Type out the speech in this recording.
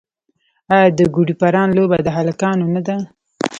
آیا د ګوډي پران لوبه د هلکانو نه ده؟